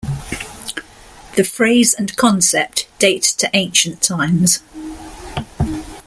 The phrase and concept date to ancient times.